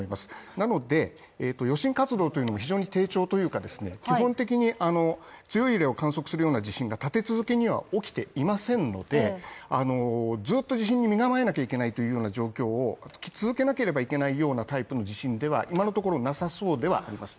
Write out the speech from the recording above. なので、余震活動も非常に低調というか基本的に強い揺れを観測するような地震は立て続けには起きてはいませんのでずっと地震に身構えなければいけない状況を続けなければいけないようなタイプの地震では今のところなさそうです。